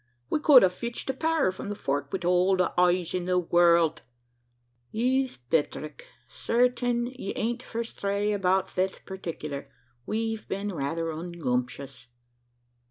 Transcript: We cowld a fitched a pair from the Fort wid all the aize in the wurld." "Yees, Petrick, certing ye ain't fer 'stray 'bout thet pertickler; we've been raither ungumptious."